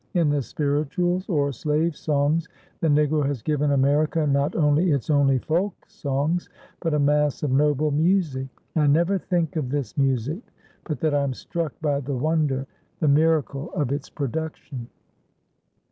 In the "spirituals," or slave songs, the Negro has given America not only its only folksongs, but a mass of noble music. I never think of this music but that I am struck by the wonder, the miracle of its production.